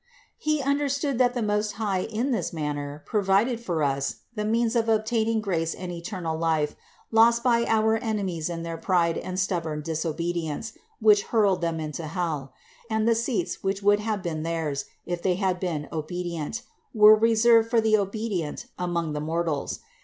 295. He understood that the Most High in this man 2 17 238 CITY OF GOD ner provided for us the means of obtaining grace and eternal life lost by our enemies in their pride and stub born disobedience, which hurled them into hell ; and the seats which would have been theirs, if they had been obedient, were reserved for the obedient among the mortals.